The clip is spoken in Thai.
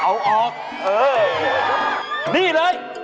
เออนี่เลย